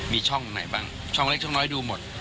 มีช่องไหนบ้างช่องเล็กช่องน้อยดูหมด